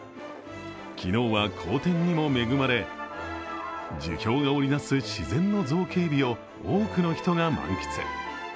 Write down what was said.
昨日は好天にも恵まれ樹氷が織りなす自然の造形美を多くの人が満喫。